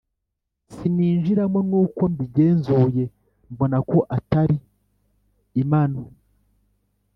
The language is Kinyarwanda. sininjiramo nuko mbigenzuye mbona ko atari imano